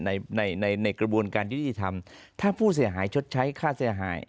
ในในกระบวนการยุติธรรมถ้าผู้เสียหายชดใช้ค่าเสียหาย